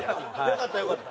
よかったよかった。